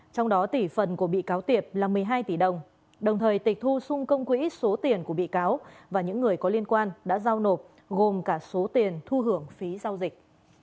trong đó tỷ phần của bị cáo tiệp là một mươi hai tỷ đồng đồng thời tịch thu xung công quỹ số tiền của bị cáo và những người có liên quan đã giao nộp gồm cả số tiền thu hưởng phí giao dịch